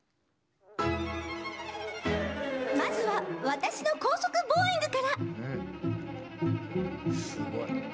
まずは私の高速ボーイングから！